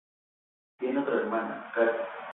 Tiene otra hermana, Katie.